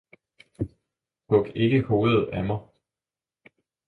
Hug ikke hovedet af mig!